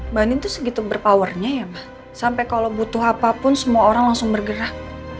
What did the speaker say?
mbak nin itu segitu berpowernya ya mbak sampai kalau butuh apapun semua orang langsung bergerak